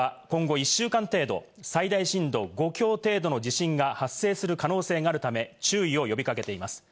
気象庁は今後１週間程度、最大震度５強程度の地震が発生する可能性があるため注意を呼びかけています。